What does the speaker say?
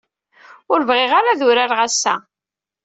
Ur bɣiɣ ara ad urareɣ ass-a.